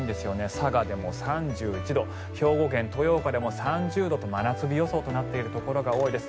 佐賀でも３１度兵庫県豊岡でも３０度と真夏日予想となっているところが多いです。